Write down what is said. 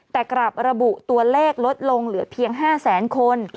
แต่กลับระบุตัวเลขลดลงเหลือเพียง๕แสนคน